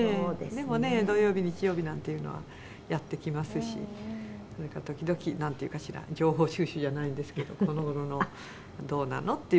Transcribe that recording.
「でもね土曜日日曜日なんていうのはやってきますしそれから時々なんていうかしら情報収集じゃないんですけどこの頃のどうなの？っていう感じだし」